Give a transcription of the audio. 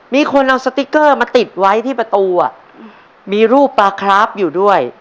มีคนเอาสติ๊กเกอร์มาติดไว้ที่ประตูอ่ะมีรูปปลาคราฟอยู่ด้วย